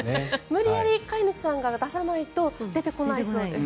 無理やり飼い主さんが出さないと出てこないそうです。